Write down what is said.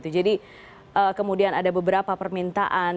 jadi kemudian ada beberapa permintaan